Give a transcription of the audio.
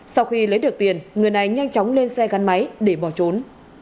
sau khi lấy được tiền người này nhanh chóng lên xe gắn máy để bỏ trốn